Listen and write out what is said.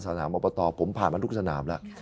สนามอบตผมผ่านมาทุกสนามแล้ว